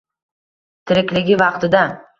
Tirikligi vaqtida